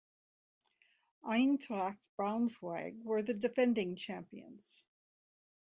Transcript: Eintracht Braunschweig were the defending champions.